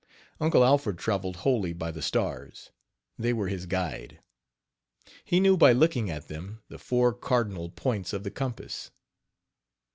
Uncle Alfred traveled wholly by the stars they were his guide. He knew by looking at them the four cardinal points of the compass.